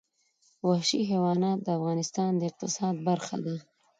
وحشي حیوانات د افغانستان د اقتصاد برخه ده.